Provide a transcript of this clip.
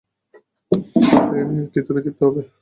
তাতে কি তুমি তৃপ্ত হবে?